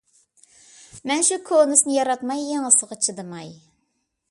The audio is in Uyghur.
مەن شۇ كونىسىنى ياراتماي، يېڭىسىغا چىدىماي. ..